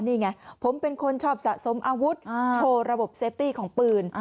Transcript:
นี่ไงผมเป็นคนชอบสะสมอาวุธโชว์ระบบเซฟตี้ของปืน